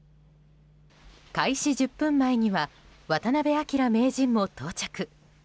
開始１０分前には渡辺明名人も到着。